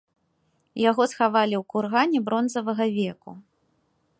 Яго схавалі ў кургане бронзавага веку.